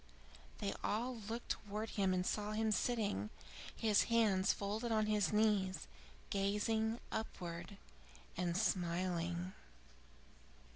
They all looked towards him and saw him sitting, his hands folded on his knees, gazing upwards and smiling.